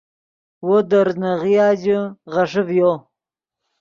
وو دے ریزناغیا ژے غیݰے ڤیو